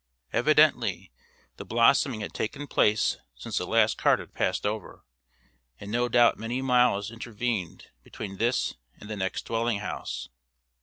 Evidently the blossoming had taken place since the last cart had passed over, and no doubt many miles intervened between this and the next dwelling house.